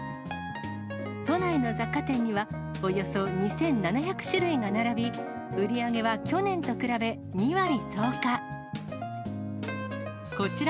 都内の雑貨店には、およそ２７００種類が並び、売り上げは去年と比べ２割増加。